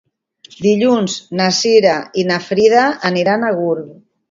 Dilluns na Cira i na Frida aniran a Gurb.